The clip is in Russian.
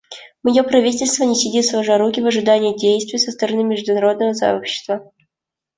Мое правительство не сидит сложа руки в ожидании действий со стороны международного сообщества.